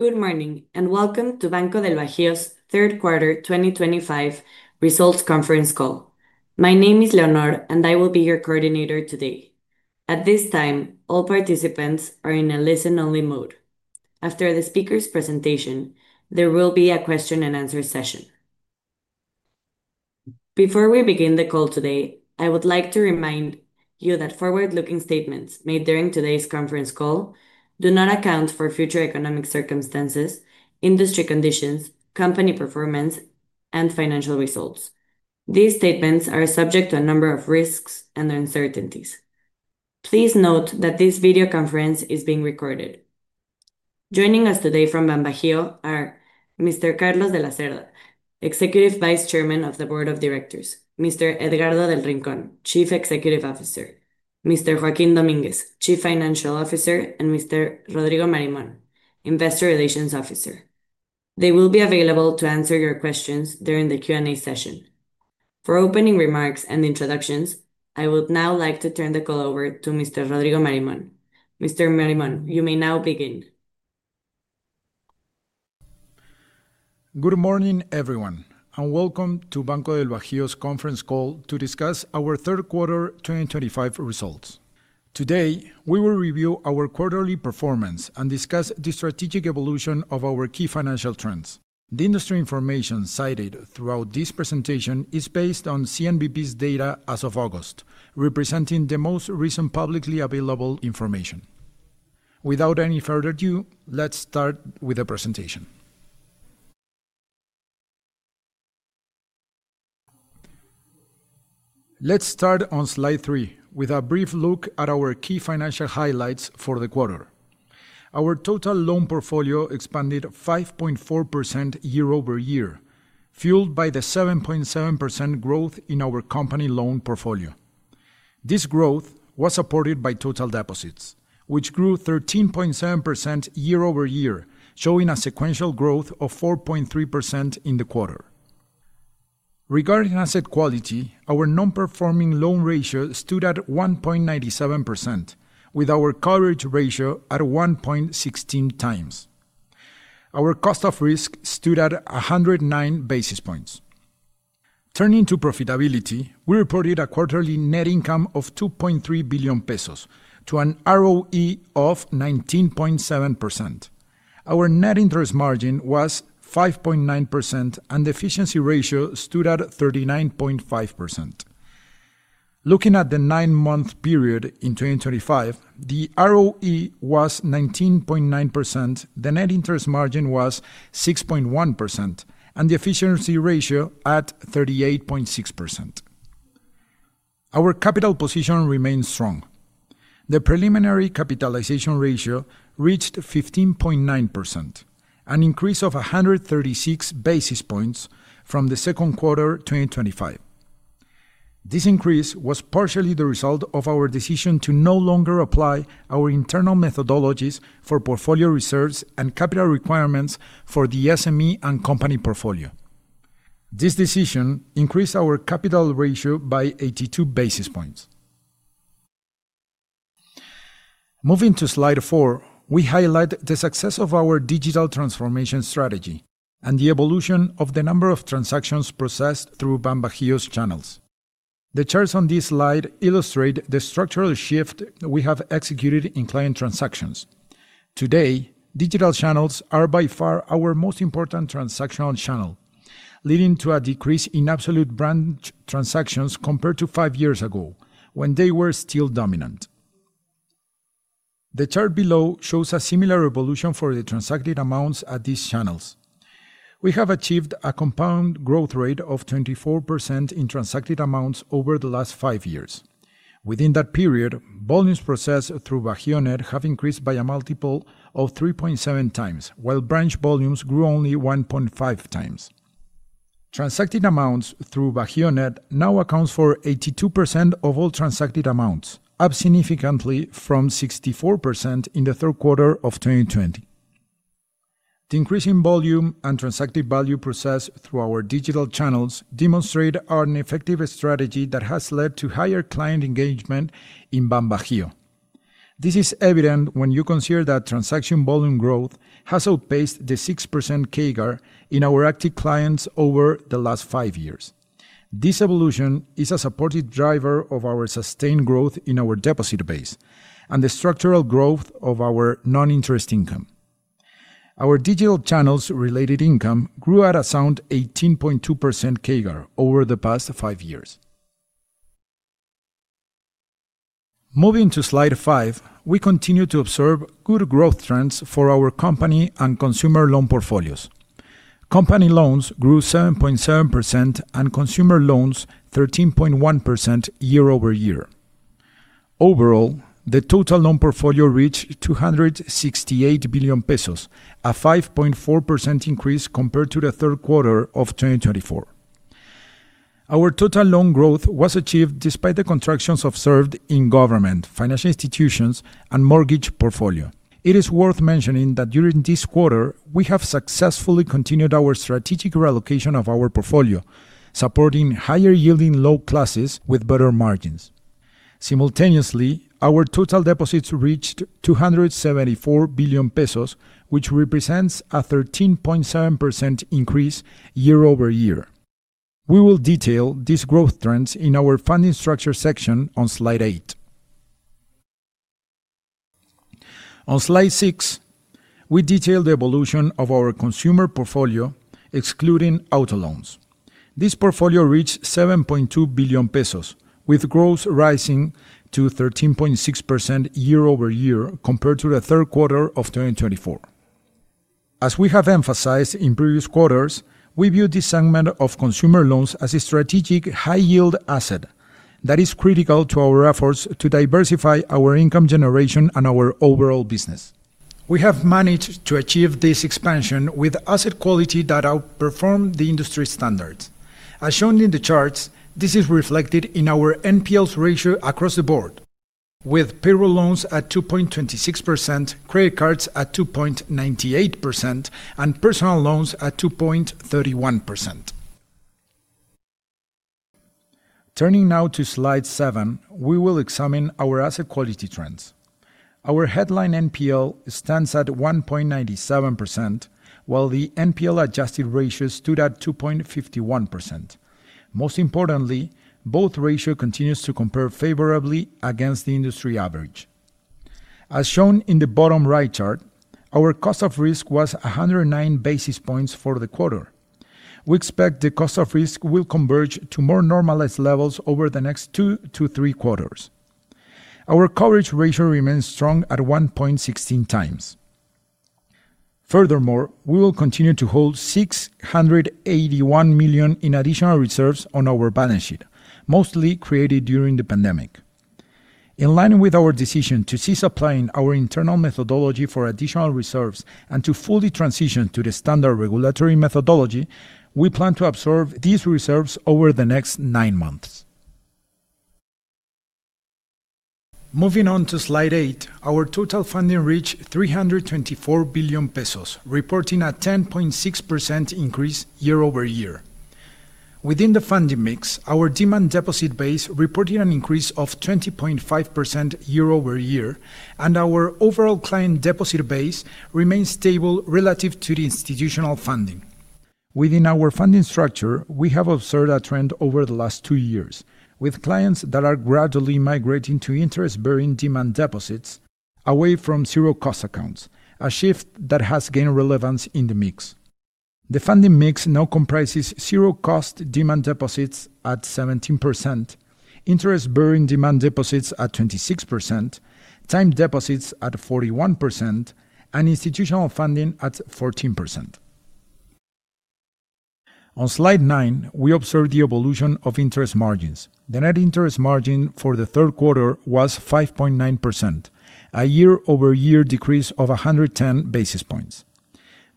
Good morning and welcome to Banco del Bajío's third quarter 2025 results conference call. My name is Leonor and I will be your coordinator today. At this time, all participants are in a listen-only mode. After the speaker's presentation, there will be a question and answer session. Before we begin the call today, I would like to remind you that forward-looking statements made during today's conference call do not account for future economic circumstances, industry conditions, company performance, and financial results. These statements are subject to a number of risks and uncertainties. Please note that this video conference is being recorded. Joining us today from BanBajío are Mr. Carlos de la Cerda, Executive Vice Chairman of the Board of Directors, Mr. Edgardo Del Rincón, Chief Executive Officer, Mr. Joaquín Domínguez, Chief Financial Officer, and Mr. Rodrigo Marimon, Investor Relations Officer. They will be available to answer your questions during the Q&A session. For opening remarks and introductions, I would now like to turn the call over to Mr. Rodrigo Marimon. Mr. Marimon, you may now begin. Good morning, everyone, and welcome to Banco Del Bajío's conference call to discuss our third quarter 2025 results. Today, we will review our quarterly performance and discuss the strategic evolution of our key financial trends. The industry information cited throughout this presentation is based on CNBV's data as of August, representing the most recent publicly available information. Without any further ado, let's start with the presentation. Let's start on slide three with a brief look at our key financial highlights for the quarter. Our total loan portfolio expanded 5.4% year-over-year, fueled by the 7.7% growth in our company loan portfolio. This growth was supported by total deposits, which grew 13.7% year-over-year, showing a sequential growth of 4.3% in the quarter. Regarding asset quality, our non-performing loan ratio stood at 1.97%, with our coverage ratio at 1.16x. Our cost of risk stood at 109 basis points. Turning to profitability, we reported a quarterly net income of 2.3 billion pesos to an ROE of 19.7%. Our net interest margin was 5.9%, and the efficiency ratio stood at 39.5%. Looking at the nine-month period in 2025, the ROE was 19.9%, the net interest margin was 6.1%, and the efficiency ratio at 38.6%. Our capital position remains strong. The preliminary capitalization ratio reached 15.9%, an increase of 136 basis points from the second quarter 2025. This increase was partially the result of our decision to no longer apply our internal methodologies for portfolio reserves and capital requirements for the SME and company portfolio. This decision increased our capital ratio by 82 basis points. Moving to slide four, we highlight the success of our digital transformation strategy and the evolution of the number of transactions processed through BanBajío's channels. The charts on this slide illustrate the structural shift we have executed in client transactions. Today, digital channels are by far our most important transactional channel, leading to a decrease in absolute branch transactions compared to five years ago, when they were still dominant. The chart below shows a similar evolution for the transacted amounts at these channels. We have achieved a compound growth rate of 24% in transacted amounts over the last five years. Within that period, volumes processed through BajíoNet have increased by a multiple of 3.7x, while branch volumes grew only 1.5x. Transacted amounts through BajíoNet now account for 82% of all transacted amounts, up significantly from 64% in the third quarter of 2020. The increase in volume and transacted value processed through our digital channels demonstrates an effective strategy that has led to higher client engagement in BancoBajío. This is evident when you consider that transaction volume growth has outpaced the 6% CAGR in our active clients over the last five years. This evolution is a supportive driver of our sustained growth in our deposit base and the structural growth of our non-interest income. Our digital channel-related income grew at a sound 18.2% CAGR over the past five years. Moving to slide five, we continue to observe good growth trends for our company and consumer loan portfolios. Company loans grew 7.7% and consumer loans 13.1% year-over-year. Overall, the total loan portfolio reached 268 billion pesos, a 5.4% increase compared to the third quarter of 2024. Our total loan growth was achieved despite the contractions observed in government, financial institutions, and mortgage portfolio. It is worth mentioning that during this quarter, we have successfully continued our strategic reallocation of our portfolio, supporting higher yielding loan classes with better margins. Simultaneously, our total deposits reached 274 billion pesos, which represents a 13.7% increase year-over-year. We will detail these growth trends in our funding structure section on slide eight. On slide six, we detail the evolution of our consumer portfolio, excluding auto loans. This portfolio reached 7.2 billion pesos, with growth rising to 13.6% year-over-year compared to the third quarter of 2024. As we have emphasized in previous quarters, we view this segment of consumer loans as a strategic high-yield asset that is critical to our efforts to diversify our income generation and our overall business. We have managed to achieve this expansion with asset quality that outperformed the industry standards. As shown in the charts, this is reflected in our NPL ratio across the board, with payroll loans at 2.26%, credit cards at 2.98%, and personal loans at 2.31%. Turning now to slide seven, we will examine our asset quality trends. Our headline NPL stands at 1.97%, while the NPL adjusted ratio stood at 2.51%. Most importantly, both ratios continue to compare favorably against the industry average. As shown in the bottom right chart, our cost of risk was 109 basis points for the quarter. We expect the cost of risk will converge to more normalized levels over the next two to three quarters. Our coverage ratio remains strong at 1.16x. Furthermore, we will continue to hold 681 million in additional reserves on our balance sheet, mostly created during the pandemic. In line with our decision to cease applying our internal methodology for additional reserves and to fully transition to the standard regulatory methodology, we plan to absorb these reserves over the next nine months. Moving on to slide eight, our total funding reached 324 billion pesos, reporting a 10.6% increase year-over-year. Within the funding mix, our demand deposit base reported an increase of 20.5% year-over-year, and our overall client deposit base remains stable relative to the institutional funding. Within our funding structure, we have observed a trend over the last two years, with clients that are gradually migrating to interest-bearing demand deposits away from zero-cost accounts, a shift that has gained relevance in the mix. The funding mix now comprises zero-cost demand deposits at 17%, interest-bearing demand deposits at 26%, time deposits at 41%, and institutional funding at 14%. On slide nine, we observe the evolution of interest margins. The net interest margin for the third quarter was 5.9%, a year-over-year decrease of 110 basis points.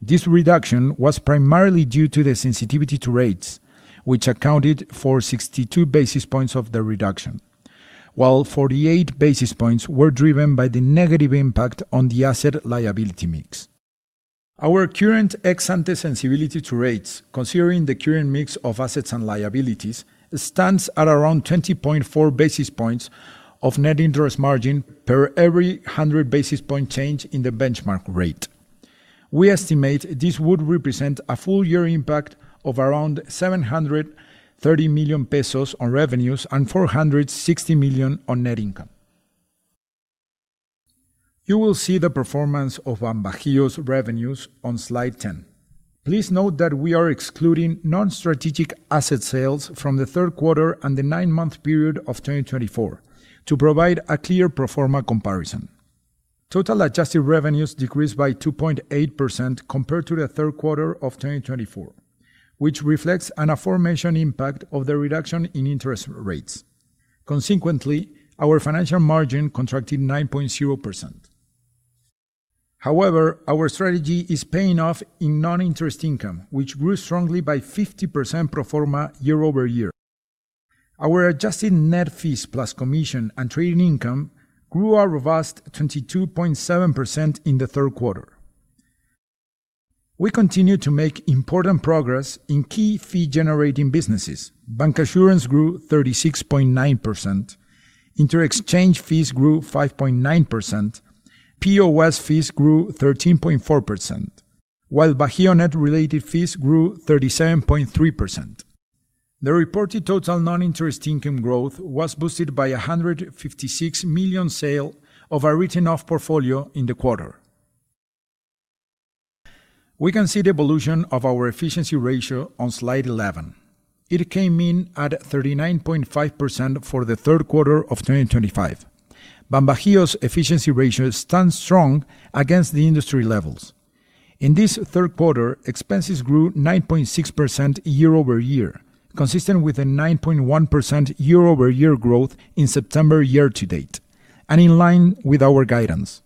This reduction was primarily due to the sensitivity to rates, which accounted for 62 basis points of the reduction, while 48 basis points were driven by the negative impact on the asset liability mix. Our current ex ante sensitivity to rates, considering the current mix of assets and liabilities, stands at around 20.4 basis points of net interest margin per every 100 basis point change in the benchmark rate. We estimate this would represent a full-year impact of around 730 million pesos on revenues and 460 million on net income. You will see the performance of Banco revenues on slide 10. Please note that we are excluding non-strategic asset sales from the third quarter and the nine-month period of 2024 to provide a clear pro forma comparison. Total adjusted revenues decreased by 2.8% compared to the third quarter of 2024, which reflects an aforementioned impact of the reduction in interest rates. Consequently, our financial margin contracted 9.0%. However, our strategy is paying off in non-interest income, which grew strongly by 50% pro forma year-over-year. Our adjusted net fees plus commission and trading income grew a robust 22.7% in the third quarter. We continue to make important progress in key fee-generating businesses. Bancassurance grew 36.9%, inter-exchange fees grew 5.9%, POS fees grew 13.4%, while BajíoNet related fees grew 37.3%. The reported total non-interest income growth was boosted by 156 million sales of a written-off portfolio in the quarter. We can see the evolution of our efficiency ratio on slide 11. It came in at 39.5% for the third quarter of 2025. Banco efficiency ratio stands strong against the industry levels. In this third quarter, expenses grew 9.6% year-over-year, consistent with a 9.1% year-over-year growth in September year to date, and in line with our guidance.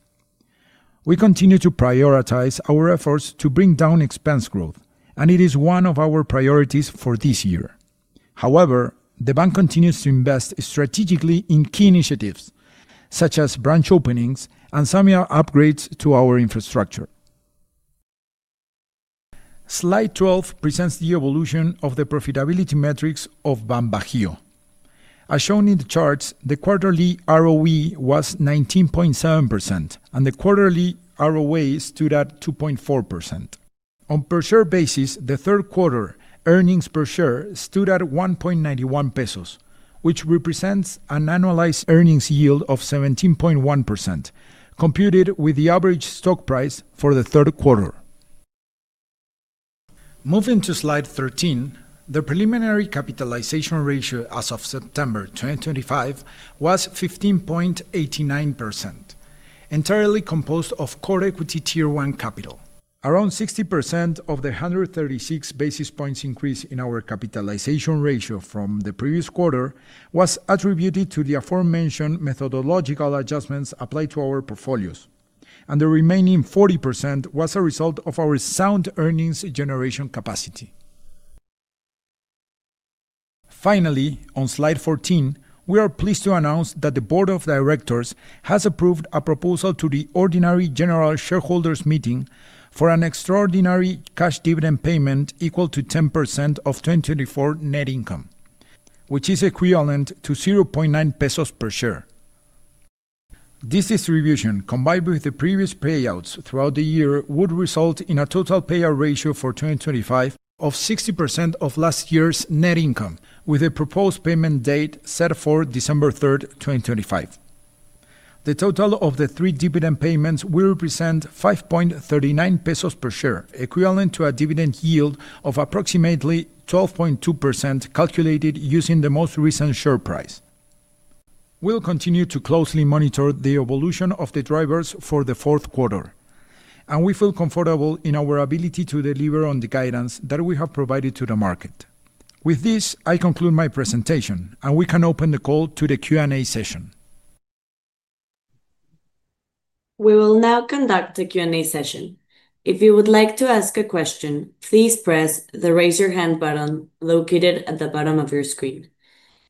We continue to prioritize our efforts to bring down expense growth, and it is one of our priorities for this year. However, the bank continues to invest strategically in key initiatives, such as branch openings and some upgrades to our infrastructure. Slide 12 presents the evolution of the profitability metrics of Banco Bajío. As shown in the charts, the quarterly ROE was 19.7%, and the quarterly ROA stood at 2.4%. On a per share basis, the third quarter earnings per share stood at 1.91 pesos, which represents an annualized earnings yield of 17.1%, computed with the average stock price for the third quarter. Moving to slide 13, the preliminary capitalization ratio as of September 2025 was 15.89%, entirely composed of core equity tier one capital. Around 60% of the 136 basis points increase in our capitalization ratio from the previous quarter was attributed to the aforementioned methodological adjustments applied to our portfolios, and the remaining 40% was a result of our sound earnings generation capacity. Finally, on slide 14, we are pleased to announce that the Board of Directors has approved a proposal to the Ordinary General Shareholders Meeting for an extraordinary cash dividend payment equal to 10% of 2024 net income, which is equivalent to 0.90 pesos per share. This distribution, combined with the previous payouts throughout the year, would result in a total payout ratio for 2025 of 60% of last year's net income, with a proposed payment date set for December 3rd, 2025. The total of the three dividend payments will represent 5.39 pesos per share, equivalent to a dividend yield of approximately 12.2% calculated using the most recent share price. We'll continue to closely monitor the evolution of the drivers for the fourth quarter, and we feel comfortable in our ability to deliver on the guidance that we have provided to the market. With this, I conclude my presentation, and we can open the call to the Q&A session. We will now conduct the Q&A session. If you would like to ask a question, please press the Raise Your Hand button located at the bottom of your screen.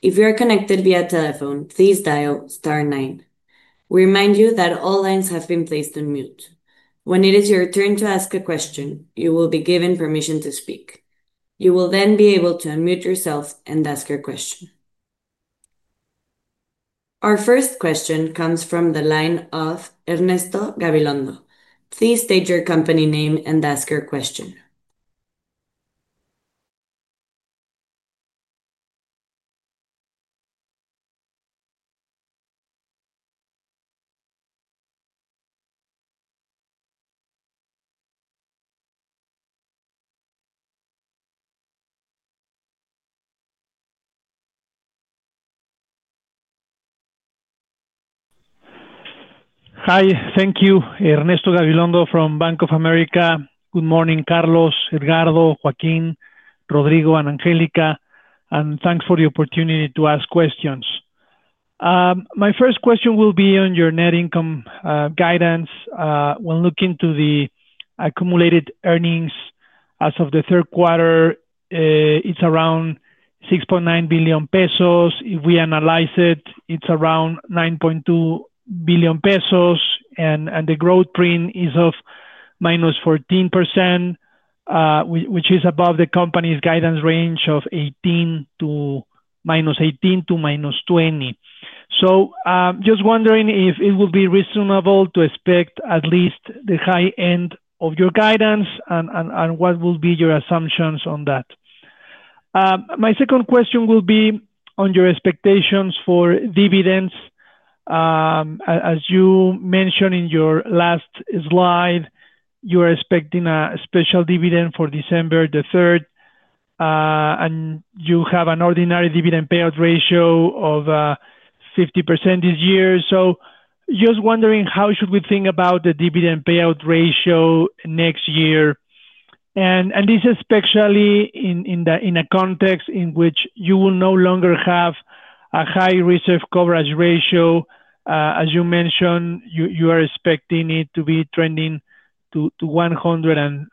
If you are connected via telephone, please dial star nine. We remind you that all lines have been placed on mute. When it is your turn to ask a question, you will be given permission to speak. You will then be able to unmute yourself and ask your question. Our first question comes from the line of Ernesto Gabilondo. Please state your company name and ask your question. Hi, thank you, Ernesto Gabilondo from Bank of America. Good morning, Carlos, Edgardo, Joaquín, Rodrigo, and Angelica, and thanks for the opportunity to ask questions. My first question will be on your net income guidance. When looking to the accumulated earnings as of the third quarter, it's around 6.9 billion pesos. If we analyze it, it's around 9.2 billion pesos, and the growth trend is of -14%, which is above the company's guidance range of -18% to -20%. I'm just wondering if it would be reasonable to expect at least the high end of your guidance and what would be your assumptions on that. My second question will be on your expectations for dividends. As you mentioned in your last slide, you are expecting a special dividend for December 3rd, and you have an ordinary dividend payout ratio of 50% this year. I'm just wondering how should we think about the dividend payout ratio next year, especially in a context in which you will no longer have a high reserve coverage ratio. As you mentioned, you are expecting it to be trending to 103%,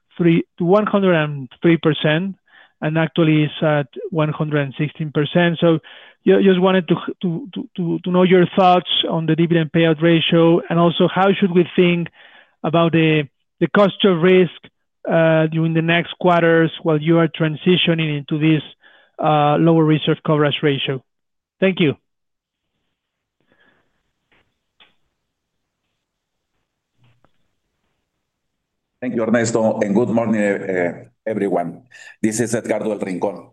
and actually it's at 116%. I just wanted to know your thoughts on the dividend payout ratio and also how should we think about the cost of risk during the next quarters while you are transitioning into this lower reserve coverage ratio. Thank you. Thank you, Ernesto, and good morning, everyone. This is Edgardo Del Rincón.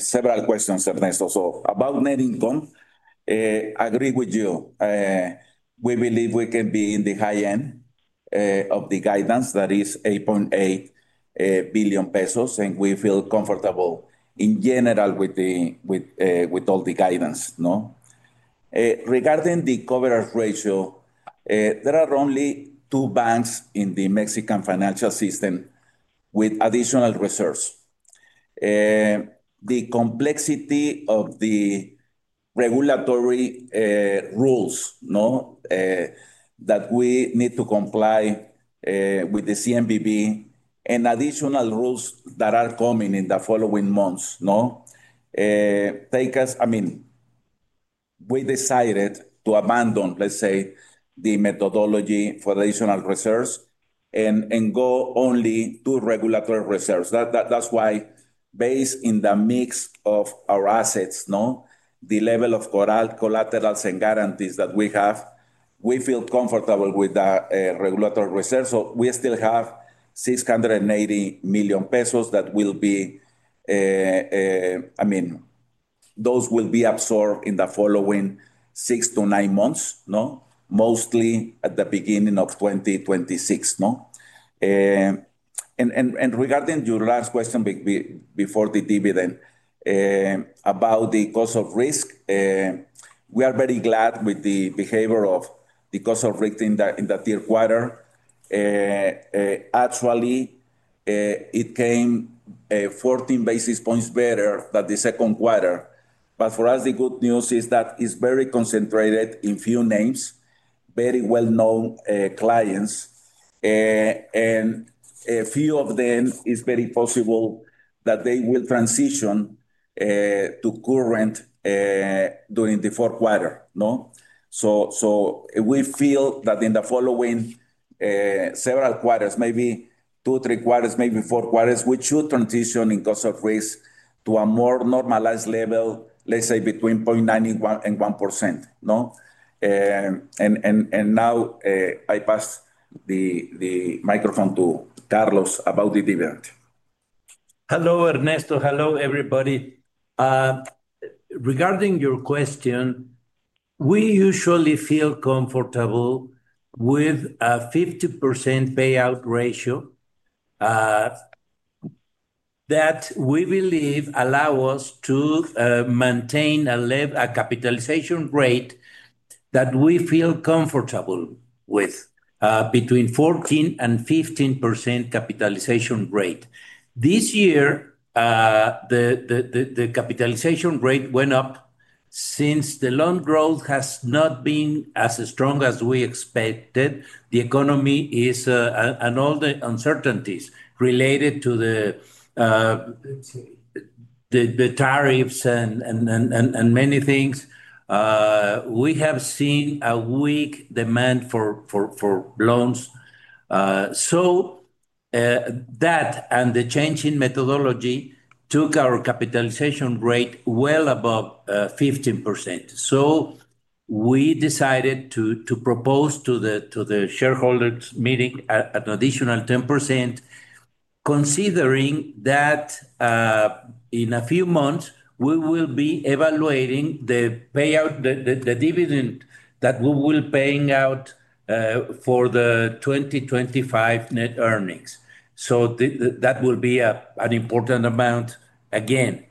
Several questions, Ernesto. About net income, I agree with you. We believe we can be in the high end of the guidance that is 8.8 billion pesos, and we feel comfortable in general with all the guidance. Regarding the coverage ratio, there are only two banks in the Mexican financial system with additional reserves. The complexity of the regulatory rules that we need to comply with, the CNBV, and additional rules that are coming in the following months take us, I mean, we decided to abandon, let's say, the methodology for additional reserves and go only to regulatory reserves. That's why, based on the mix of our assets, the level of collaterals and guarantees that we have, we feel comfortable with the regulatory reserves. We still have 680 million pesos that will be, I mean, those will be absorbed in the following six to nine months, mostly at the beginning of 2026. Regarding your last question before the dividend, about the cost of risk, we are very glad with the behavior of the cost of risk in the third quarter. Actually, it came 14 basis points better than the second quarter. For us, the good news is that it's very concentrated in few names, very well-known clients, and a few of them, it is very possible that they will transition to current during the fourth quarter. We feel that in the following several quarters, maybe two, three quarters, maybe four quarters, we should transition in cost of risk to a more normalized level, let's say between 0.91% and 1%. Now I pass the microphone to Carlos about the dividend. Hello, Ernesto. Hello, everybody. Regarding your question, we usually feel comfortable with a 50% payout ratio that we believe allows us to maintain a capitalization ratio that we feel comfortable with, between 14% and 15% capitalization ratio. This year, the capitalization ratio went up since the loan growth has not been as strong as we expected. The economy is, and all the uncertainties related to the tariffs and many things, we have seen a weak demand for loans. That and the change in methodology took our capitalization ratio well above 15%. We decided to propose to the shareholders meeting an additional 10%, considering that in a few months, we will be evaluating the payout, the dividend that we will be paying out for the 2025 net earnings. That will be an important amount again.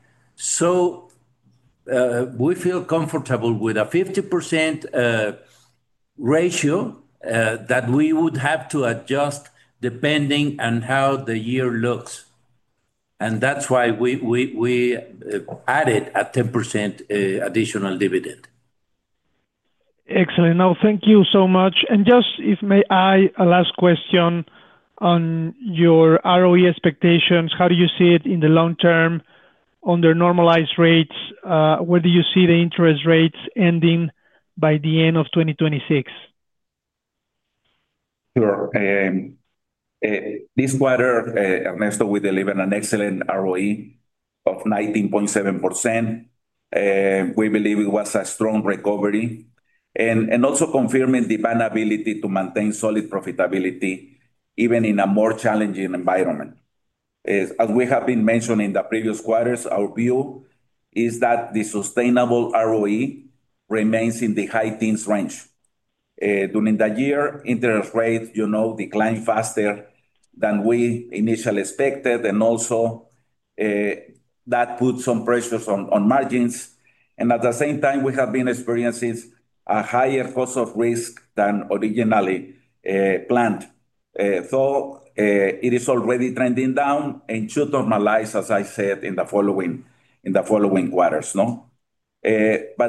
We feel comfortable with a 50% ratio that we would have to adjust depending on how the year looks. That's why we added a 10% additional dividend. Excellent. Thank you so much. If I may, I would like to ask a last question on your ROE expectations. How do you see it in the long term under normalized rates? Where do you see the interest rates ending by the end of 2026? Sure. This quarter, Ernesto, we delivered an excellent ROE of 19.7%. We believe it was a strong recovery and also confirmed the ability to maintain solid profitability even in a more challenging environment. As we have been mentioning in the previous quarters, our view is that the sustainable ROE remains in the high teens range. During the year, interest rates declined faster than we initially expected, and that put some pressures on margins. At the same time, we have been experiencing a higher cost of risk than originally planned. It is already trending down and should normalize, as I said, in the following quarters.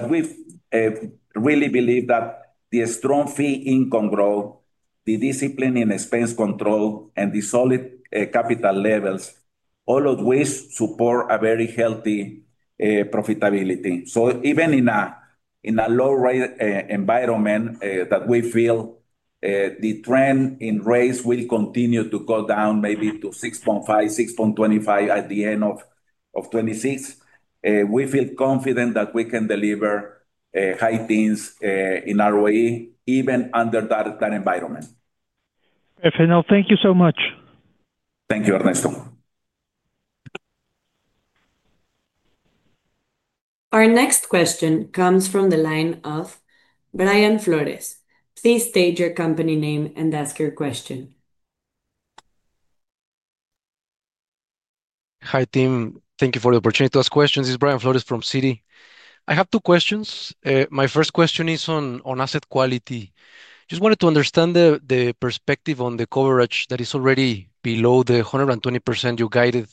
We really believe that the strong fee income growth, the discipline in expense control, and the solid capital levels, all of which support a very healthy profitability. Even in a low-rate environment, we feel the trend in rates will continue to go down, maybe to 6.5, 6.25 at the end of 2026. We feel confident that we can deliver high teens in ROE even under that environment. Thank you so much. Thank you, Ernesto. Our next question comes from the line of Brian Flores. Please state your company name and ask your question. Hi, team. Thank you for the opportunity to ask questions. This is Brian Flores from Citi. I have two questions. My first question is on asset quality. I just wanted to understand the perspective on the coverage that is already below the 120% you guided.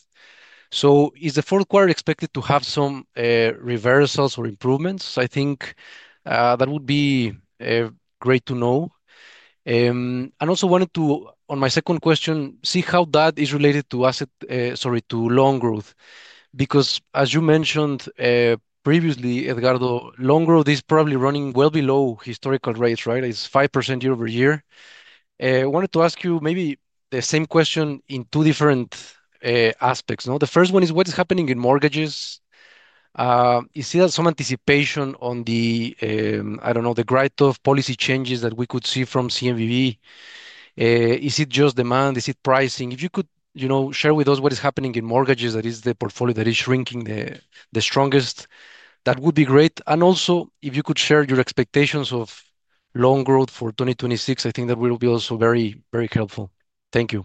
Is the fourth quarter expected to have some reversals or improvements? I think that would be great to know. I also wanted to, on my second question, see how that is related to asset, sorry, to loan growth. As you mentioned previously, Edgardo, loan growth is probably running well below historical rates, right? It's 5% year-over-year. I wanted to ask you maybe the same question in two different aspects. The first one is what is happening in mortgages. Is there some anticipation on the, I don't know, the growth of policy changes that we could see from CNBV? Is it just demand? Is it pricing? If you could share with us what is happening in mortgages, that is the portfolio that is shrinking the strongest, that would be great. Also, if you could share your expectations of loan growth for 2026, I think that will be also very, very helpful. Thank you.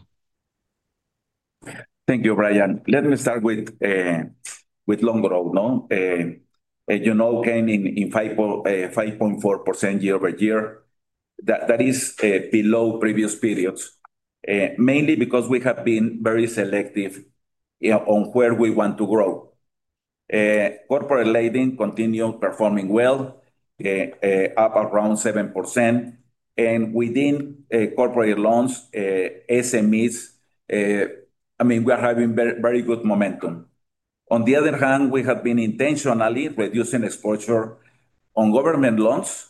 Thank you, Brian. Let me start with loan growth. As you know, it came in 5.4% year-over-year. That is below previous periods, mainly because we have been very selective on where we want to grow. Corporate lending continued performing well, up around 7%. Within corporate loans, SMEs, I mean, we are having very good momentum. On the other hand, we have been intentionally reducing exposure on government loans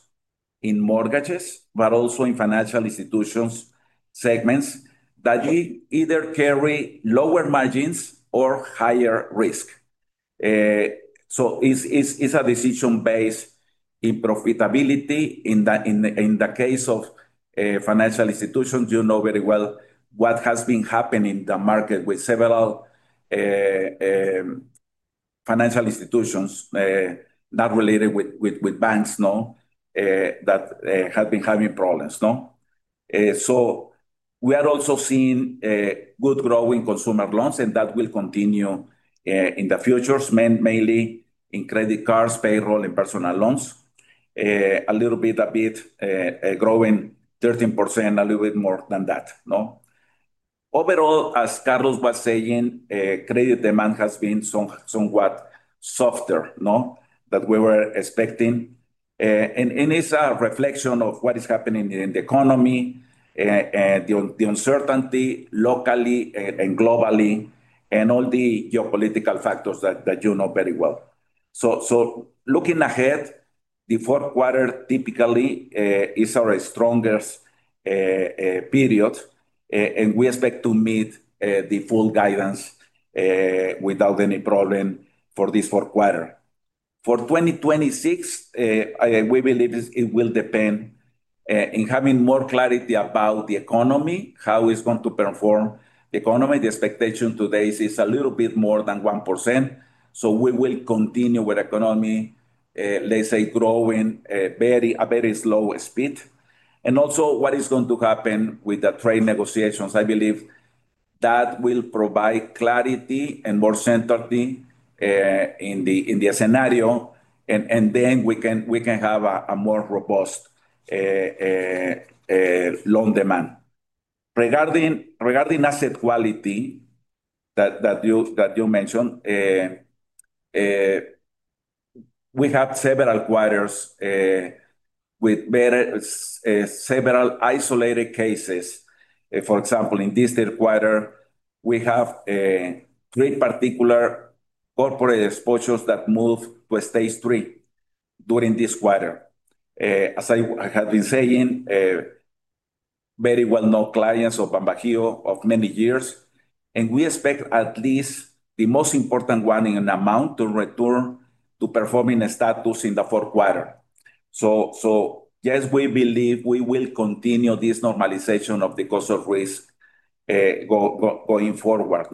in mortgages, but also in financial institutions segments that either carry lower margins or higher risk. It is a decision based in profitability. In the case of financial institutions, you know very well what has been happening in the market with several financial institutions not related with banks that have been having problems. We are also seeing good growth in consumer loans, and that will continue in the future, mainly in credit cards, payroll, and personal loans. A little bit growing 13%, a little bit more than that. Overall, as Carlos was saying, credit demand has been somewhat softer than we were expecting. It is a reflection of what is happening in the economy, the uncertainty locally and globally, and all the geopolitical factors that you know very well. Looking ahead, the fourth quarter typically is our strongest period, and we expect to meet the full guidance without any problem for this fourth quarter. For 2026, we believe it will depend on having more clarity about the economy, how it is going to perform. The economy, the expectation today is a little bit more than 1%. We will continue with the economy, let's say, growing at a very slow speed. Also, what is going to happen with the trade negotiations, I believe that will provide clarity and more certainty in the scenario. Then we can have a more robust loan demand. Regarding asset quality that you mentioned, we have several quarters with several isolated cases. For example, in this third quarter, we have three particular corporate exposures that move to stage three during this quarter. As I have been saying, very well-known clients of Banco of many years, and we expect at least the most important one in amount to return to performing status in the fourth quarter. Yes, we believe we will continue this normalization of the cost of risk going forward.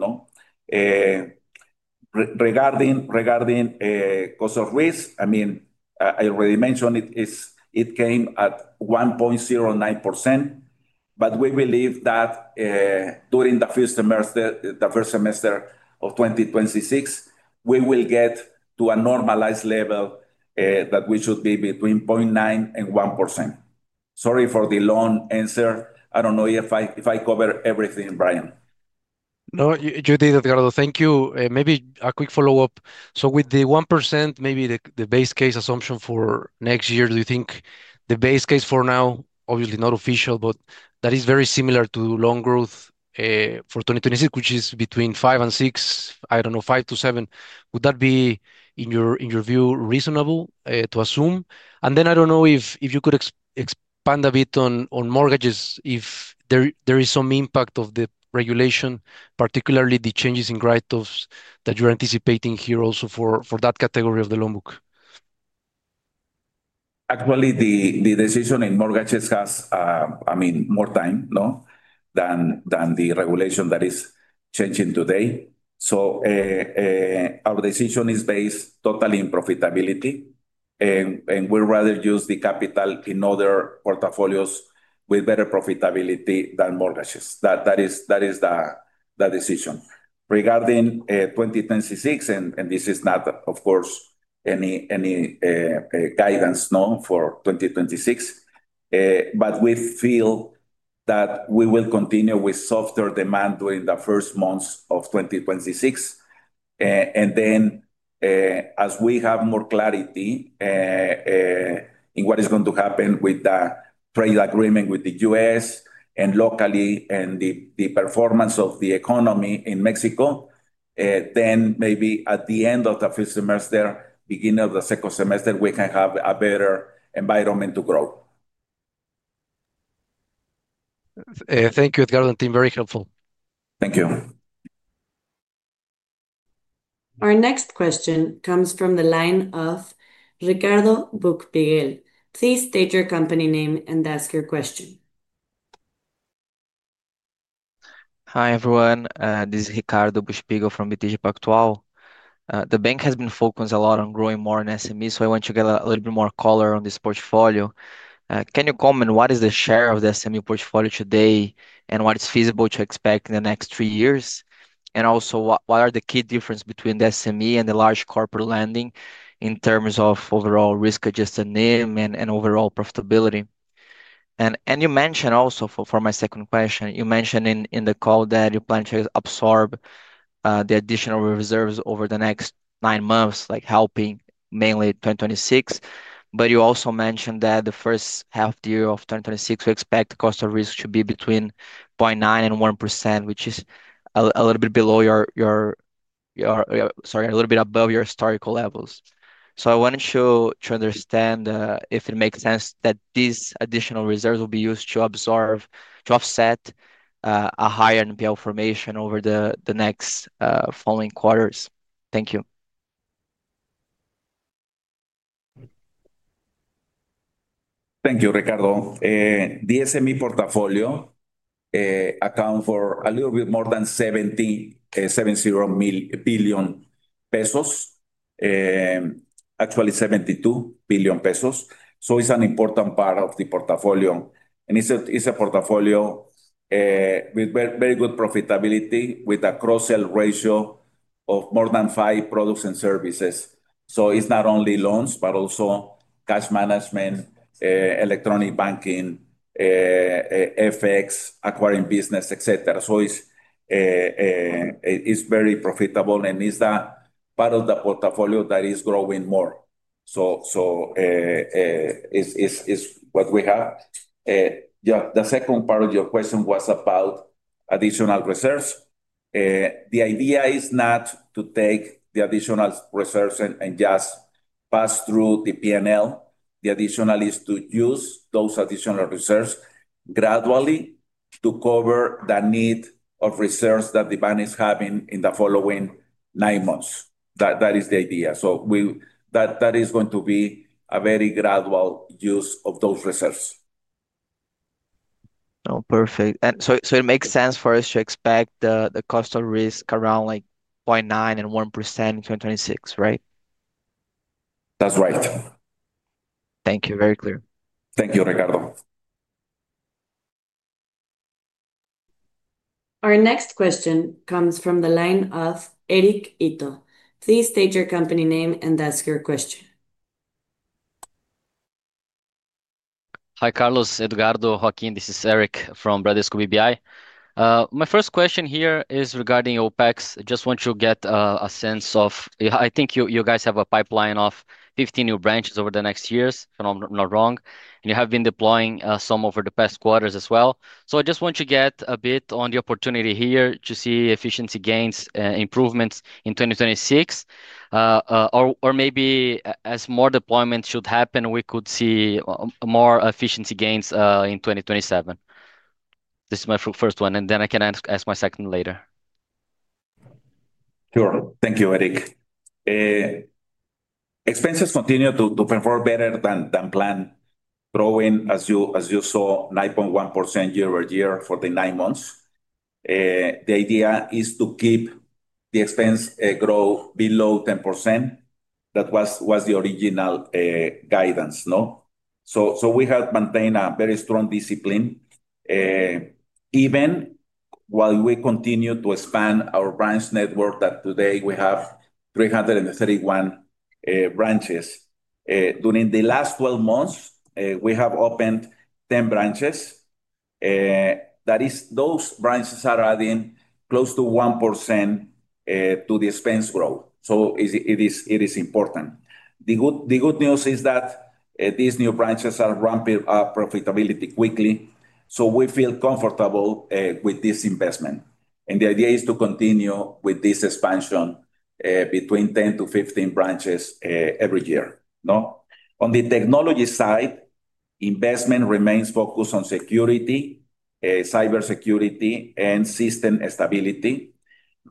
Regarding cost of risk, I already mentioned it, it came at 1.09%, but we believe that during the first semester of 2026, we will get to a normalized level that we should be between 0.9% and 1%. Sorry for the long answer. I do not know if I covered everything, Brian. No, you did, Edgardo. Thank you. Maybe a quick follow-up. With the 1%, maybe the base case assumption for next year, do you think the base case for now, obviously not official, but that is very similar to loan growth for 2026, which is between 5% and 6%, I don't know, 5%-7%. Would that be, in your view, reasonable to assume? I don't know if you could expand a bit on mortgages, if there is some impact of the regulation, particularly the changes in growth that you're anticipating here also for that category of the loan book. Actually, the decision in mortgages has more time than the regulation that is changing today. Our decision is based totally in profitability, and we'd rather use the capital in other portfolios with better profitability than mortgages. That is the decision. Regarding 2026, this is not, of course, any guidance for 2026, but we feel that we will continue with softer demand during the first months of 2026. As we have more clarity in what is going to happen with the trade agreement with the U.S. and locally and the performance of the economy in Mexico, maybe at the end of the first semester, beginning of the second semester, we can have a better environment to grow. Thank you, Edgardo. The team is very helpful. Thank you. Our next question comes from the line of Ricardo Buchpiguel. Please state your company name and ask your question. Hi, everyone. This is Ricardo Buchpiguel from BTG Pactual. The bank has been focused a lot on growing more in SMEs, so I want to get a little bit more color on this portfolio. Can you comment what is the share of the SME portfolio today and what is feasible to expect in the next three years? Also, what are the key differences between the SME and the large corporate lending in terms of overall risk adjusted name and overall profitability? You mentioned also, for my second question, you mentioned in the call that you plan to absorb the additional reserves over the next nine months, like helping mainly 2026. You also mentioned that the first half year of 2026, we expect the cost of risk to be between 0.9% and 1%, which is a little bit below your, sorry, a little bit above your historical levels. I want to understand if it makes sense that these additional reserves will be used to absorb, to offset a higher NPL formation over the next following quarters. Thank you. Thank you, Ricardo. The SME portfolio accounts for a little bit more than 70 billion pesos, actually 72 billion pesos. It's an important part of the portfolio, and it's a portfolio with very good profitability, with a cross-sale ratio of more than five products and services. It's not only loans, but also cash management, electronic banking, FX, acquiring business, etc. It's very profitable and is the part of the portfolio that is growing more. The second part of your question was about additional reserves. The idea is not to take the additional reserves and just pass through the P&L. The additional is to use those additional reserves gradually to cover the need of reserves that the bank is having in the following nine months. That is the idea. That is going to be a very gradual use of those reserves. Perfect. It makes sense for us to expect the cost of risk around 0.9% and 1% in 2026, right? That's right. Thank you. Very clear. Thank you, Ricardo. Our next question comes from the line of Eric Ito. Please state your company name and ask your question. Hi, Carlos. Edgardo, Joaquín, this is Eric from Bradesco BBI. My first question here is regarding OpEx. I just want to get a sense of, I think you guys have a pipeline of 15 new branches over the next years, if I'm not wrong. You have been deploying some over the past quarters as well. I just want to get a bit on the opportunity here to see efficiency gains and improvements in 2026. Maybe as more deployments should happen, we could see more efficiency gains in 2027. This is my first one. I can ask my second later. Sure. Thank you, Eric. Expenses continue to perform better than planned, growing, as you saw, 9.1% year-over-year for the nine months. The idea is to keep the expense growth below 10%. That was the original guidance. We have maintained a very strong discipline, even while we continue to expand our branch network. Today we have 331 branches. During the last 12 months, we have opened 10 branches. Those branches are adding close to 1% to the expense growth. It is important. The good news is that these new branches are ramping up profitability quickly. We feel comfortable with this investment. The idea is to continue with this expansion between 10-15 branches every year. On the technology side, investment remains focused on security, cybersecurity, and system stability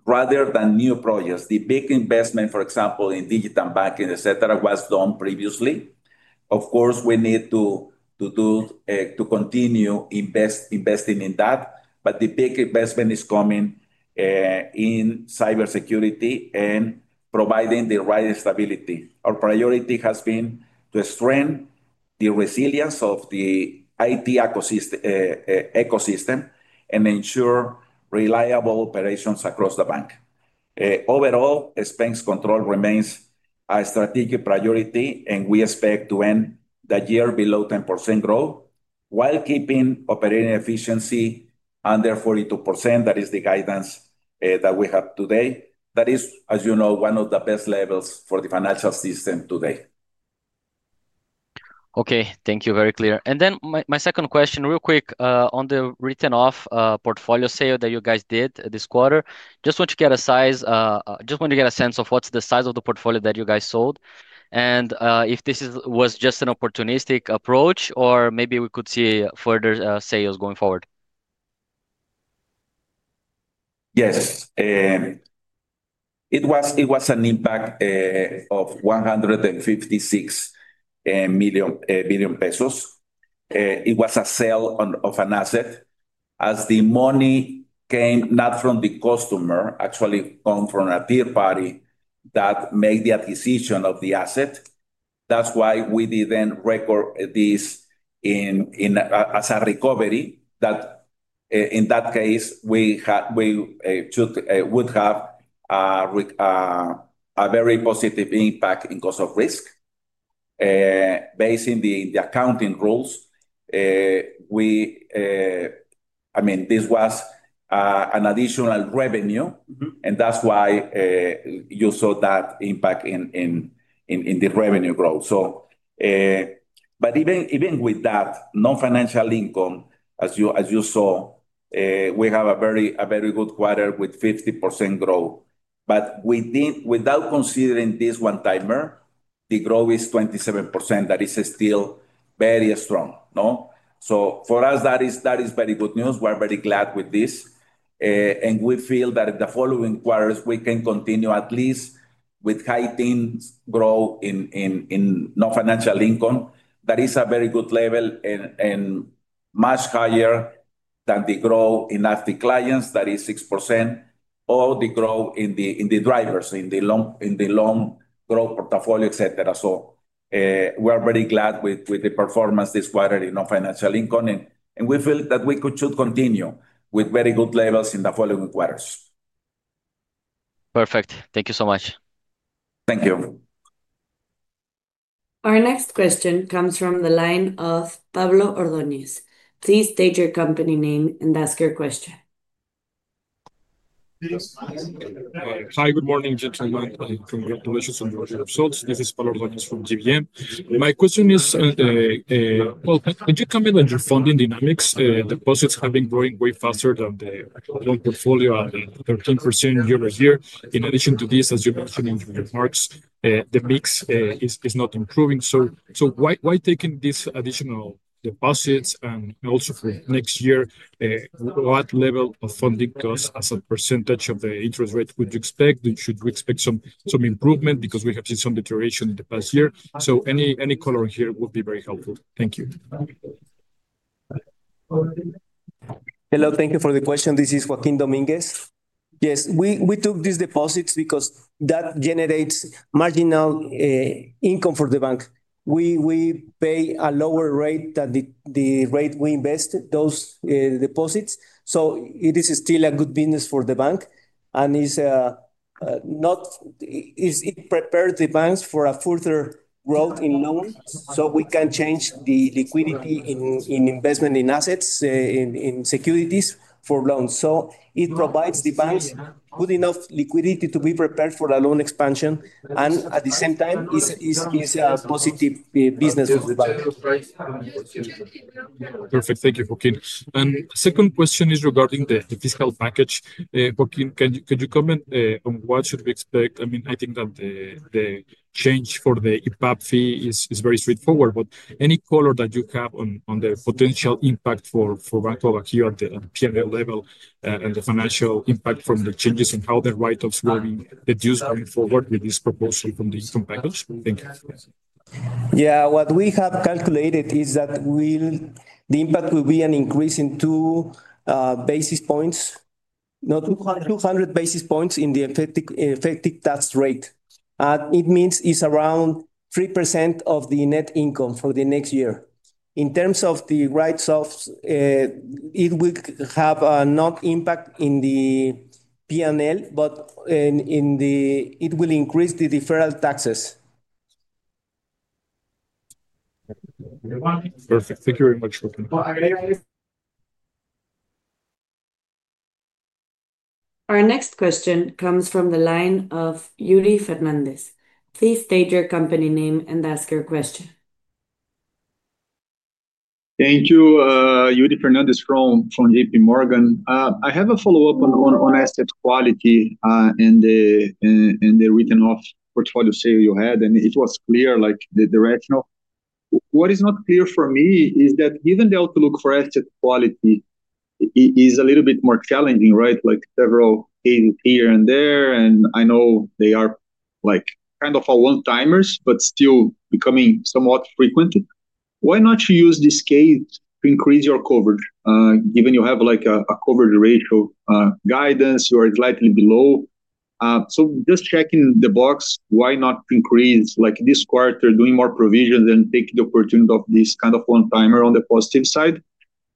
rather than new projects. The big investment, for example, in digital banking, etc., was done previously. Of course, we need to continue investing in that, but the big investment is coming in cybersecurity and providing the right stability. Our priority has been to strengthen the resilience of the IT ecosystem and ensure reliable operations across the bank. Overall, expense control remains a strategic priority. We expect to end the year below 10% growth while keeping operating efficiency under 42%. That is the guidance that we have today. That is, as you know, one of the best levels for the financial system today. Okay. Thank you. Very clear. My second question, real quick, on the written-off portfolio sale that you guys did this quarter. I just want to get a sense of what's the size of the portfolio that you guys sold, and if this was just an opportunistic approach, or maybe we could see further sales going forward. Yes. It was an impact of 156 million pesos. It was a sale of an asset. As the money came not from the customer, actually coming from a third party that made the acquisition of the asset. That's why we didn't record this as a recovery. In that case, we would have a very positive impact in cost of risk. Based on the accounting rules, I mean, this was an additional revenue. That's why you saw that impact in the revenue growth. Even with that non-financial income, as you saw, we have a very good quarter with 50% growth. Without considering this one-timer, the growth is 27%. That is still very strong. For us, that is very good news. We're very glad with this. We feel that in the following quarters, we can continue at least with high teens growth in non-financial income. That is a very good level and much higher than the growth in active clients. That is 6% or the growth in the drivers, in the loan growth portfolio, etc. We're very glad with the performance this quarter in non-financial income. We feel that we should continue with very good levels in the following quarters. Perfect. Thank you so much. Thank you. Our next question comes from the line of Pablo Ordóñez. Please state your company name and ask your question. Hi, good morning, gentlemen. Congratulations on your results. This is Pablo Ordóñez from GBM. My question is, could you comment on your funding dynamics? Deposits have been growing way faster than the actual portfolio at 13% year-over-year. In addition to this, as you mentioned in your remarks, the mix is not improving. Why taking these additional deposits? Also, for next year, what level of funding costs as a percentage of the interest rate would you expect? Should you expect some improvement because we have seen some deterioration in the past year? Any color here would be very helpful. Thank you. Hello. Thank you for the question. This is Joaquín Domínguez. Yes, we took these deposits because that generates marginal income for the bank. We pay a lower rate than the rate we invested those deposits. It is still a good business for the bank. It prepares the bank for further growth in loans, so we can change the liquidity in investment in assets, in securities for loans. It provides the bank good enough liquidity to be prepared for a loan expansion. At the same time, it's a positive business for the bank. Perfect. Thank you, Joaquín. The second question is regarding the fiscal package. Joaquín, could you comment on what should we expect? I think that the change for the EPAP fee is very straightforward. Any color that you have on the potential impact for BanBajío at the P&L level and the financial impact from the changes in how the write-offs will be deduced going forward with this proposal from the income package? Thank you. Yeah. What we have calculated is that the impact will be an increase in 200 basis points in the effective tax rate. It means it's around 3% of the net income for the next year. In terms of the write-offs, it will have no impact in the P&L, but it will increase the deferred taxes. Perfect. Thank you very much. Our next question comes from the line of Yuri Fernandes. Please state your company name and ask your question. Thank you, Yuri Fernandez from JPMorgan. I have a follow-up on asset quality and the written-off portfolio sale you had. It was clear, like the rationale. What is not clear for me is that given the outlook for asset quality is a little bit more challenging, right? Like several cases here and there, and I know they are like kind of a one-timer, but still becoming somewhat frequent. Why not use this case to increase your coverage given you have like a coverage ratio guidance? You are slightly below. Just checking the box, why not increase this quarter, doing more provisions and taking the opportunity of this kind of one-timer on the positive side?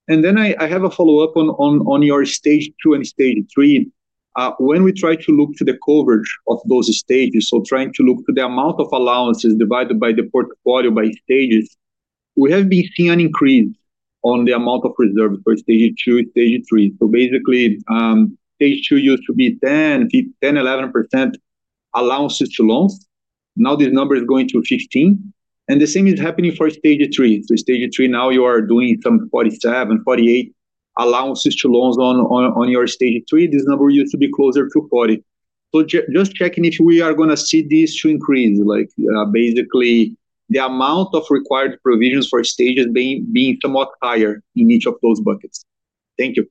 I have a follow-up on your stage two and stage three. When we try to look to the coverage of those stages, trying to look to the amount of allowances divided by the portfolio by stages, we have been seeing an increase on the amount of reserves for stage two and stage three. Basically, stage two used to be 10%, 11% allowances to loans. Now this number is going to 15%. The same is happening for stage three. Stage three, now you are doing some 47%, 48% allowances to loans on your stage three. This number used to be closer to 40%. Just checking if we are going to see this increase, basically the amount of required provisions for stages being somewhat higher in each of those buckets. Thank you.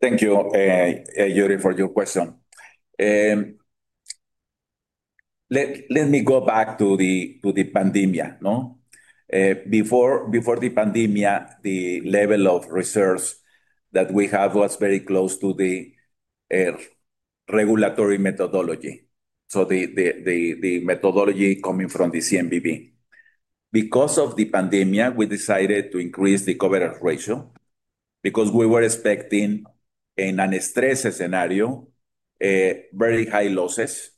Thank you, Yuri, for your question. Let me go back to the pandemic. Before the pandemic, the level of reserves that we had was very close to the regulatory methodology, so the methodology coming from the CNBV. Because of the pandemic, we decided to increase the coverage ratio because we were expecting in a stress scenario very high losses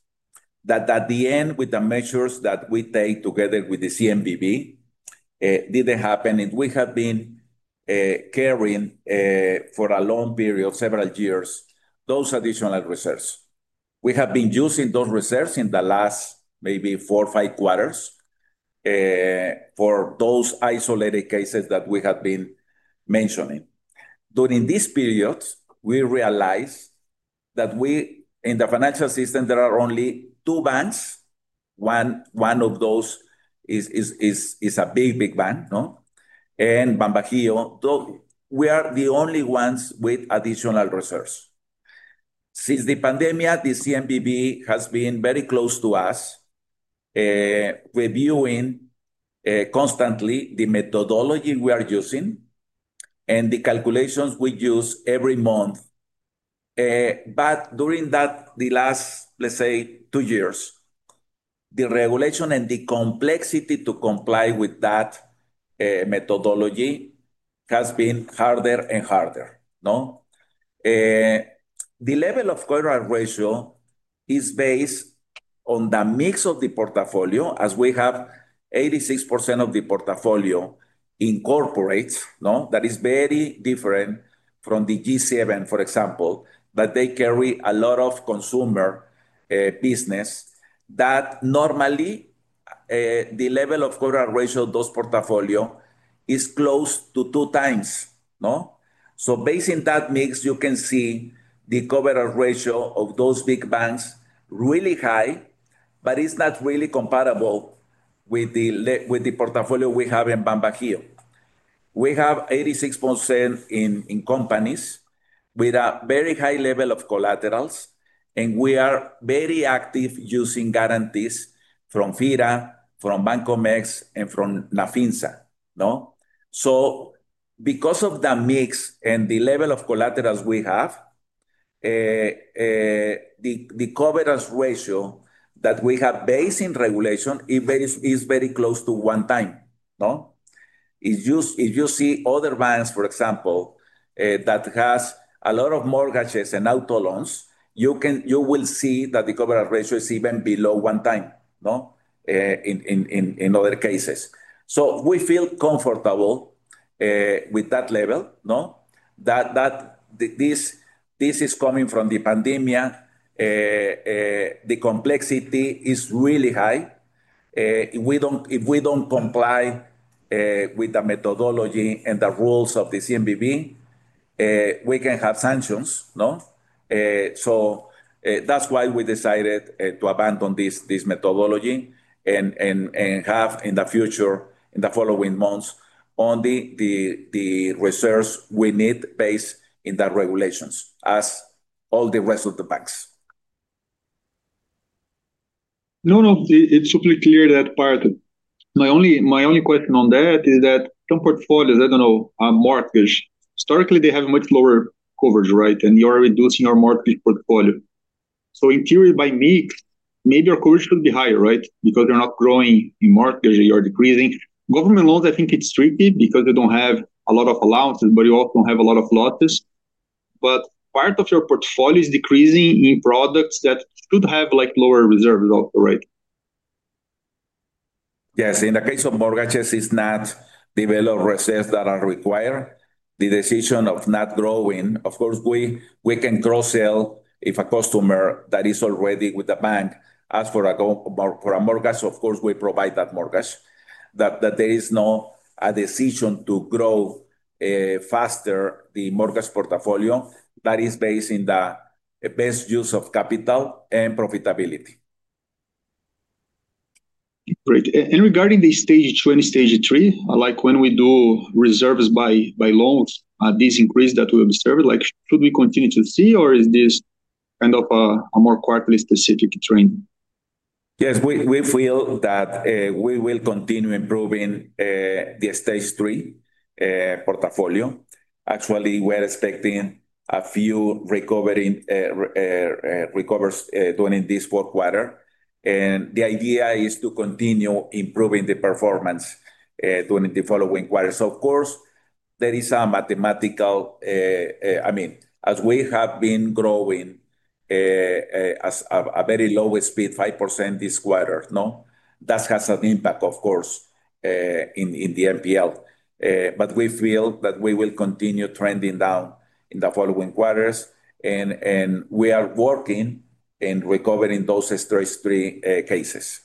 that at the end, with the measures that we took together with the CNBV, did not happen. We have been carrying for a long period, several years, those additional reserves. We have been using those reserves in the last maybe four or five quarters for those isolated cases that we have been mentioning. During this period, we realized that in the financial system, there are only two banks. One of those is a big, big bank, and Banco Bajío, though we are the only ones with additional reserves. Since the pandemic, the CNBV has been very close to us, reviewing constantly the methodology we are using and the calculations we use every month. During the last, let's say, two years, the regulation and the complexity to comply with that methodology has been harder and harder. The level of coverage ratio is based on the mix of the portfolio, as we have 86% of the portfolio in corporates. That is very different from the G7, for example, that carry a lot of consumer business that normally the level of coverage ratio of those portfolios is close to two times. Based on that mix, you can see the coverage ratio of those big banks really high, but it is not really compatible with the portfolio we have in Banco Bajío. We have 86% in companies with a very high level of collaterals, and we are very active using guarantees from FIRA, from Bancomext, and from NAFINSA. Because of the mix and the level of collaterals we have, the coverage ratio that we have based in regulation is very close to one time. If you see other banks, for example, that have a lot of mortgages and auto loans, you will see that the coverage ratio is even below one time in other cases. We feel comfortable with that level. This is coming from the pandemic. The complexity is really high. If we do not comply with the methodology and the rules of the CNBV, we can have sanctions. That is why we decided to abandon this methodology and have in the future, in the following months, only the reserves we need based in the regulations, as all the rest of the banks. No, no, it's super clear that part. My only question on that is that some portfolios, I don't know, a mortgage, historically, they have a much lower coverage, right? You are reducing your mortgage portfolio. In theory, by mix, maybe your coverage should be higher, right? Because you're not growing in mortgage, you are decreasing. Government loans, I think it's tricky because you don't have a lot of allowances, but you also don't have a lot of losses. Part of your portfolio is decreasing in products that should have lower reserves also, right? Yes. In the case of mortgages, it's not the value of reserves that are required. The decision of not growing, of course, we can cross-sell if a customer that is already with the bank asks for a mortgage. Of course, we provide that mortgage. There is no decision to grow faster the mortgage portfolio that is based in the best use of capital and profitability. Great. Regarding the stage two, stage three, when we do reserves by loans, these increases that we observed, should we continue to see, or is this kind of a more quarterly specific trend? Yes, we feel that we will continue improving the stage three portfolio. Actually, we're expecting a few recoveries during this fourth quarter. The idea is to continue improving the performance during the following quarters. Of course, there is a mathematical, I mean, as we have been growing at a very low speed, 5% this quarter. That has an impact, of course, in the NPL. We feel that we will continue trending down in the following quarters. We are working in recovering those stage three cases.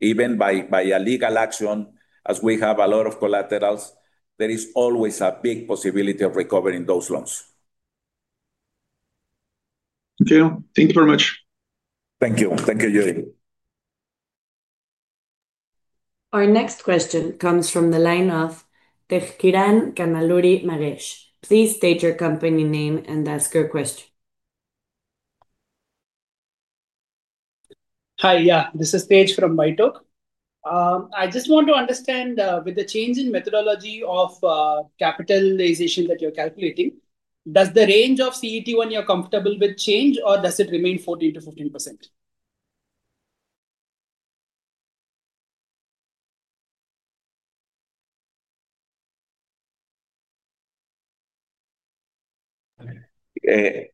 Even by a legal action, as we have a lot of collaterals, there is always a big possibility of recovering those loans. Thank you. Thank you very much. Thank you. Thank you, Yuri. Our next question comes from the line of Tejkiran Kannaluri Magesh. Please state your company name and ask your question. Hi. This is Tej from White Oak. I just want to understand, with the change in methodology of capitalization that you're calculating, does the range of CET1 you're comfortable with change, or does it remain 14%-15%?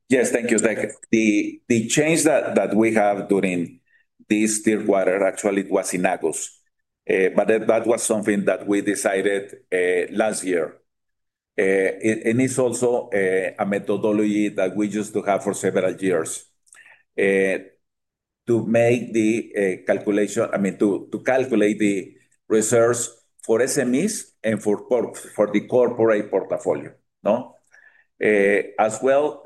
Yes, thank you. The change that we have during this third quarter, actually, it was in August. That was something that we decided last year. It's also a methodology that we used to have for several years to make the calculation, I mean, to calculate the reserves for SMEs and for the corporate portfolio. As well,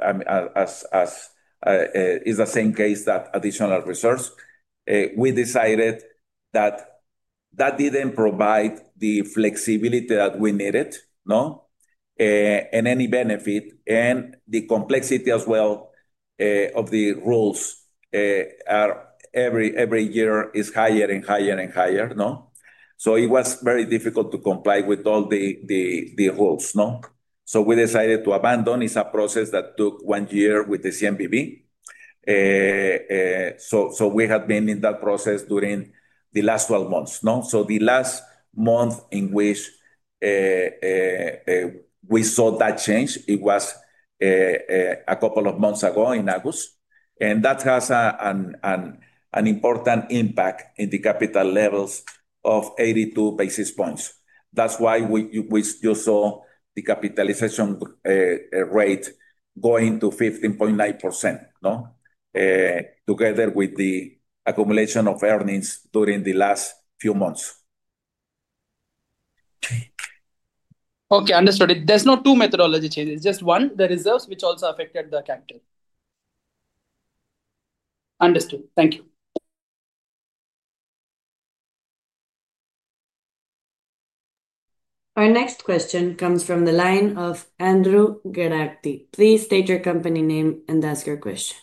it's the same case that additional reserves, we decided that that didn't provide the flexibility that we needed, and any benefit. The complexity as well of the rules are every year higher and higher and higher. It was very difficult to comply with all the rules. We decided to abandon. It's a process that took one year with the CNBV. We have been in that process during the last 12 months. The last month in which we saw that change, it was a couple of months ago in August. That has an important impact in the capital levels of 82 basis points. That's why we just saw the capitalization ratio going to 15.9%, together with the accumulation of earnings during the last few months. Okay, understood. There's no two methodology changes, just one, the reserves, which also affected the capital. Understood. Thank you. Our next question comes from the line of Andrew Gadakti. Please state your company name and ask your question.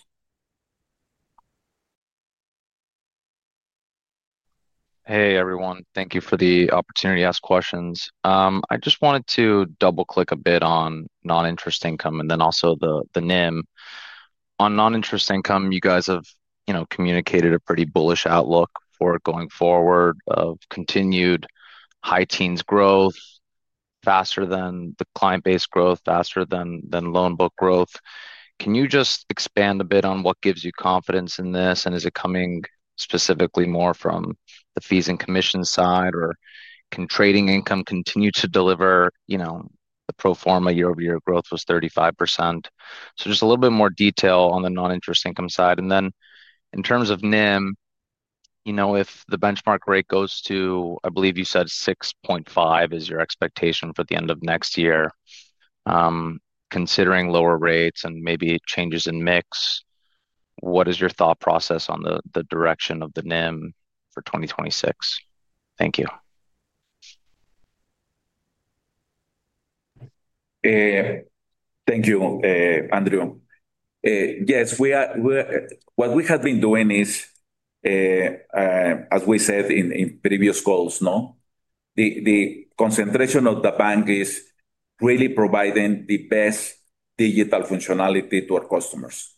Hey, everyone. Thank you for the opportunity to ask questions. I just wanted to double-click a bit on non-interest income and then also the NIM. On non-interest income, you guys have communicated a pretty bullish outlook for going forward of continued high-teens growth, faster than the client-based growth, faster than loan book growth. Can you just expand a bit on what gives you confidence in this? Is it coming specifically more from the fees and commissions side, or can trading income continue to deliver? The pro forma year-over-year growth was 35%. Just a little bit more detail on the non-interest income side. In terms of NIM, if the benchmark rate goes to, I believe you said 6.5% is your expectation for the end of next year, considering lower rates and maybe changes in mix, what is your thought process on the direction of the NIM for 2026? Thank you. Thank you, Andrew. Yes, what we have been doing is, as we said in previous calls, the concentration of the bank is really providing the best digital functionality to our customers.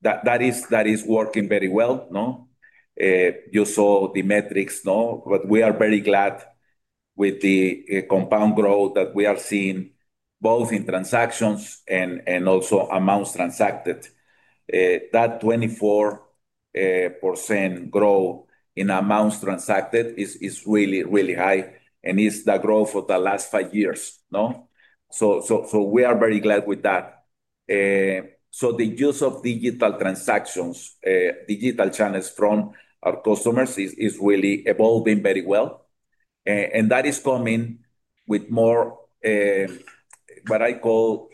That is working very well. You saw the metrics, and we are very glad with the compound growth that we are seeing both in transactions and also amounts transacted. That 24% growth in amounts transacted is really, really high, and it's the growth of the last five years. We are very glad with that. The use of digital transactions, digital channels from our customers is really evolving very well. That is coming with more what I call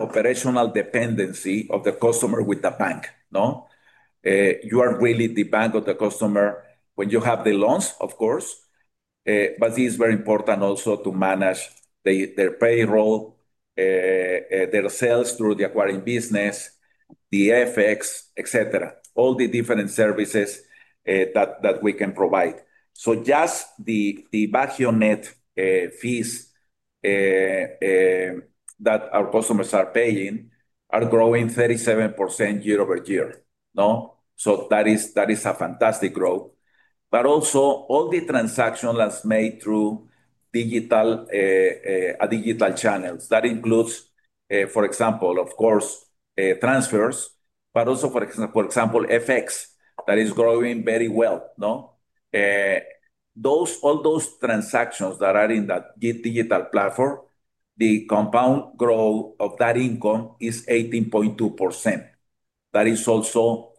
operational dependency of the customer with the bank. You are really the bank of the customer when you have the loans, of course. It is very important also to manage their payroll, their sales through the acquiring business, the FX, etc., all the different services that we can provide. Just the BajíoNet fees that our customers are paying are growing 37% year-over-year. That is a fantastic growth. Also, all the transactions that are made through digital channels, that includes, for example, of course, transfers, but also, for example, FX that is growing very well. All those transactions that are in that digital platform, the compound growth of that income is 18.2%. That is also,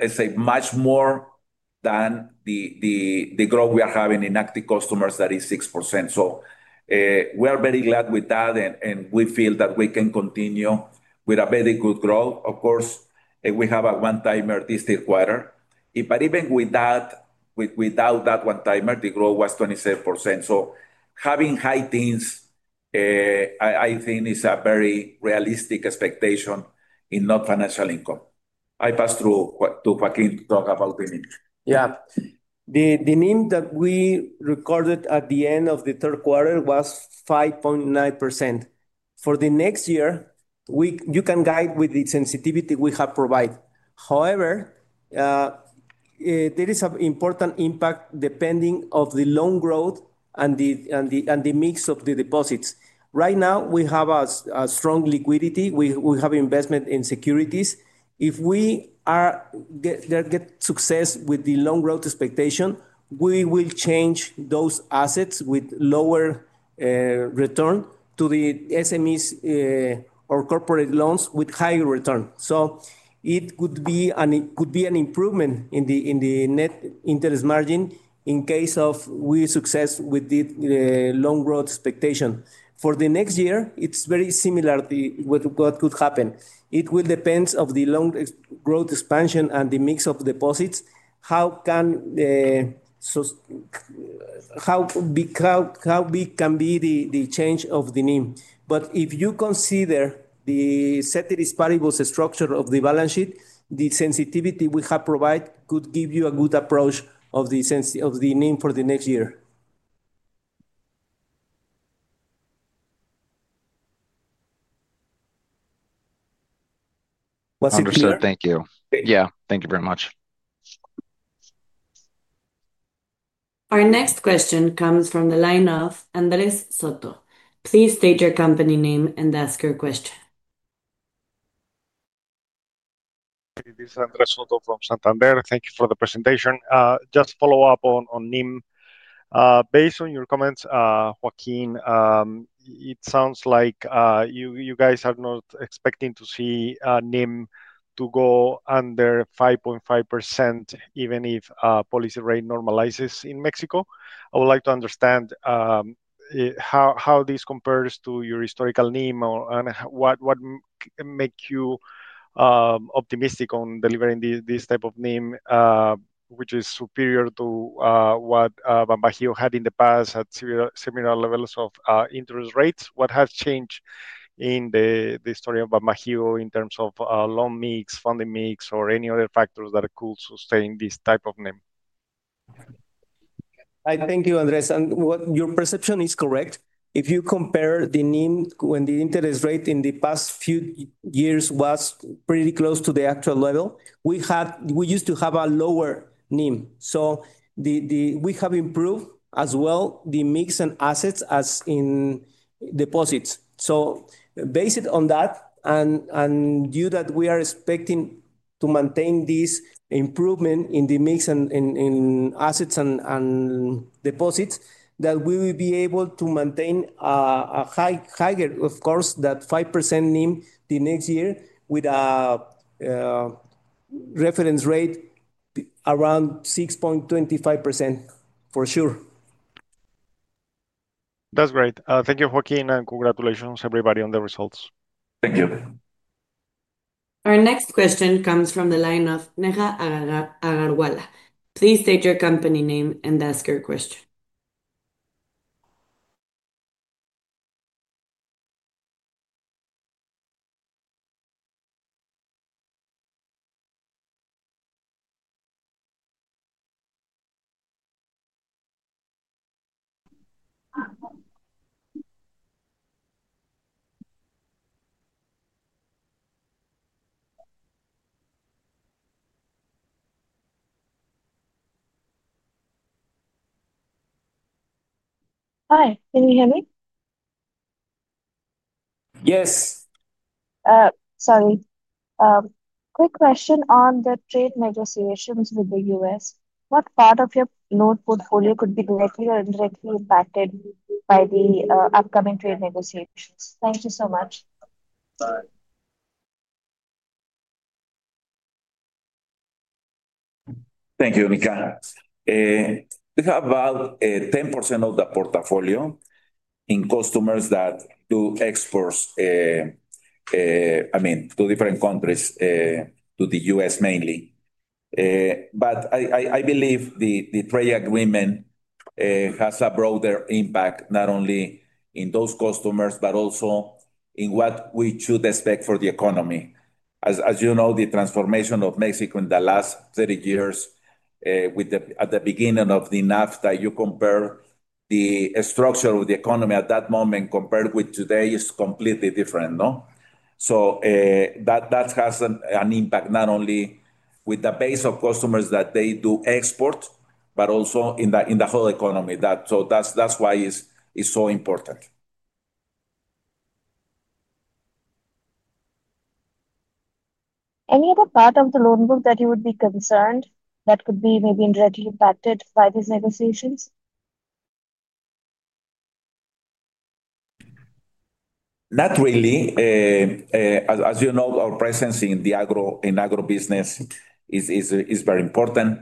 let's say, much more than the growth we are having in active customers that is 6%. We are very glad with that, and we feel that we can continue with a very good growth. Of course, we have a one-timer this third quarter. Even without that one-timer, the growth was 27%. Having high teens, I think, is a very realistic expectation in non-financial income. I pass through to Joaquín to talk about the NIM. Yeah. The NIM that we recorded at the end of the third quarter was 5.9%. For the next year, you can guide with the sensitivity we have provided. However, there is an important impact depending on the loan growth and the mix of the deposits. Right now, we have a strong liquidity. We have investment in securities. If we get success with the loan growth expectation, we will change those assets with lower return to the SMEs or corporate loans with higher return. It could be an improvement in the net interest margin in case we have success with the loan growth expectation. For the next year, it's very similar to what could happen. It will depend on the loan growth expansion and the mix of deposits, how big can be the change of the NIM. If you consider the set of disirable structure of the balance sheet, the sensitivity we have provided could give you a good approach of the NIM for the next year. Thank you. Yeah, thank you very much. Our next question comes from the line of Andres Soto. Please state your company name and ask your question. This is Andres Soto from Santander. Thank you for the presentation. Just to follow up on NIM. Based on your comments, Joaquín, it sounds like you guys are not expecting to see NIM go under 5.5% even if policy rate normalizes in Mexico. I would like to understand how this compares to your historical NIM and what makes you optimistic on delivering this type of NIM, which is superior to what BanBajio had in the past at similar levels of interest rates. What has changed in the story of BanBajio in terms of loan mix, funding mix, or any other factors that could sustain this type of NIM? Thank you, Andres. Your perception is correct. If you compare the NIM when the interest rate in the past few years was pretty close to the actual level, we used to have a lower NIM. We have improved as well the mix and assets as in deposits. Based on that and the view that we are expecting to maintain this improvement in the mix and in assets and deposits, we will be able to maintain a higher, of course, that 5% NIM next year with a reference rate around 6.25% for sure. That's great. Thank you, Joaquín, and congratulations everybody on the results. Thank you. Our next question comes from the line of Neha Agarwal. Please state your company name and ask your question. Hi, can you hear me? Yes. Sorry. Quick question on the trade negotiations with the U.S. What part of your loan portfolio could be directly or indirectly impacted by the upcoming trade negotiations? Thank you so much. Thank you, Neha. We have about 10% of the portfolio in customers that do exports, I mean, to different countries, to the U.S. mainly. I believe the trade agreement has a broader impact, not only in those customers, but also in what we should expect for the economy. As you know, the transformation of Mexico in the last 30 years, at the beginning of NAFTA, you compare the structure of the economy at that moment compared with today, it's completely different. That has an impact not only with the base of customers that do export, but also in the whole economy. That's why it's so important. Any other part of the loan book that you would be concerned that could be maybe indirectly impacted by these negotiations? Not really. As you know, our presence in the agribusiness is very important.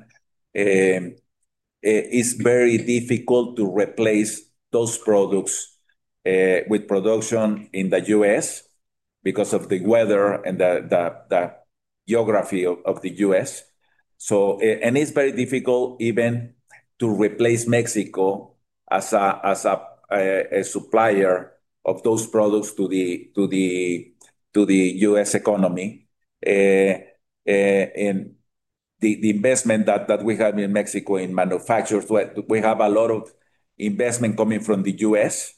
It's very difficult to replace those products with production in the U.S. because of the weather and the geography of the U.S. It's very difficult even to replace Mexico as a supplier of those products to the U.S. economy. The investment that we have in Mexico in manufacturers, we have a lot of investment coming from the U.S.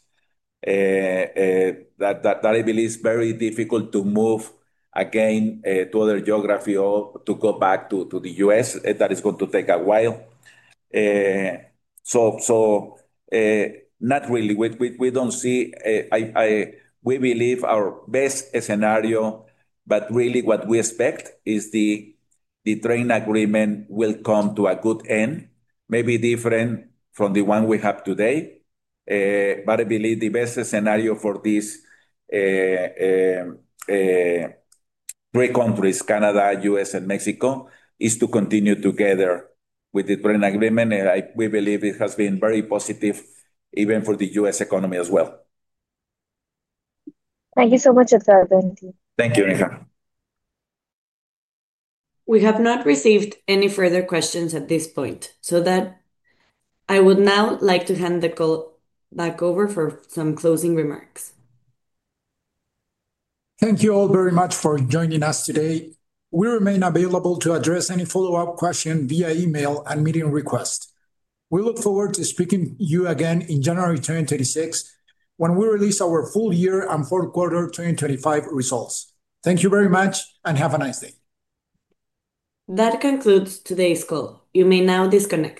that I believe is very difficult to move again to other geographies or to go back to the U.S. That is going to take a while. Not really. We don't see, we believe our best scenario, but really what we expect is the trade agreement will come to a good end, maybe different from the one we have today. I believe the best scenario for these three countries, Canada, U.S., and Mexico, is to continue together with the trade agreement. We believe it has been very positive even for the U.S. economy as well. Thank you so much, Edgardo. Thank you, Niha. We have not received any further questions at this point. I would now like to hand the call back over for some closing remarks. Thank you all very much for joining us today. We remain available to address any follow-up questions via email and meeting requests. We look forward to speaking with you again in January 2026 when we really. Our full year and fourth quarter 2025 results. Thank you very much and have a nice day. That concludes today's call. You may now discontinue.